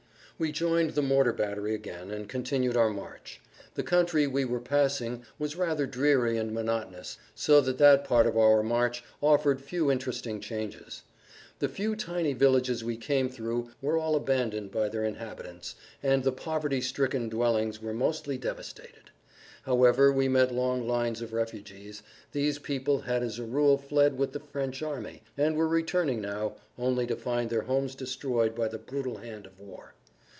We joined the mortar battery again, and continued our march. The country we were passing was rather dreary and monotonous so that that part of our march offered few interesting changes. The few tiny villages we came through were all abandoned by their inhabitants, and the poverty stricken dwellings were mostly devastated. However, we met long lines of refugees. These people had as a rule fled with the French army, and were returning now, only to find their homes destroyed by the brutal hand of war.